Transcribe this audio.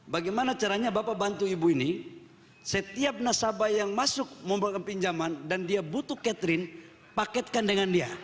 bagaimana caranya bapak bantu ibu ini setiap nasabah yang masuk memberikan pinjaman dan dia butuh catherine paketkan dengan dia